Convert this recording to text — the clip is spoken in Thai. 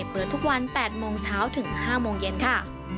เปิดทุกวัน๘โมงเช้าถึง๕โมงเย็นค่ะ